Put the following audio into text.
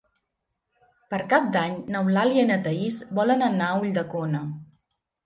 Per Cap d'Any n'Eulàlia i na Thaís volen anar a Ulldecona.